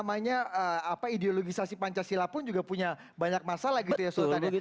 jadi konsep ideologisasi pancasila pun juga punya banyak masalah gitu ya sultan